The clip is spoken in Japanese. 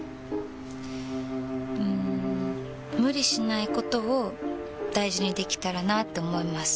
うん無理しないことを大事にできたらなって思います。